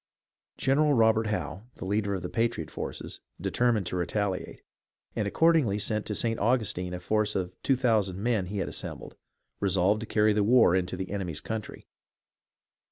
General Robert Howe, the leader of the patriot forces, determined to retaliate, and accordingly led to St. Augustine a force of two thousand men he had assembled, resolved to carry the war into the enemy's country.